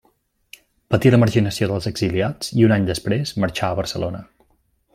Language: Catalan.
Patí la marginació dels exiliats i un any després marxà a Barcelona.